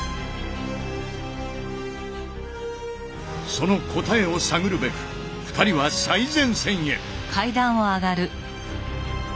その答えを探るべく２人は最前線へ！